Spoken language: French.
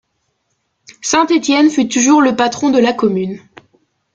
Saint Étienne fut toujours le patron de la commune.